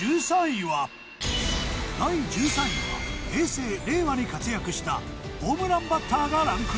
第１３位は平成令和に活躍したホームランバッターがランクイン。